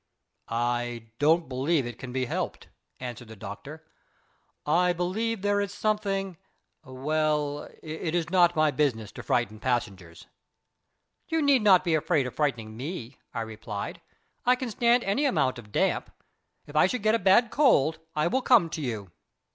"I don't believe it can be helped," answered the doctor. "I believe there is something well, it is not my business to frighten passengers." "You need not be afraid of frightening me," I replied. "I can stand any amount of damp. If I should get a bad cold, I will come to you."